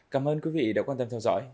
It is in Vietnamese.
cảm ơn quý vị đã quan tâm theo dõi